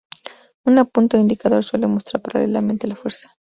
Una punta o indicador suele mostrar, paralelamente, la fuerza.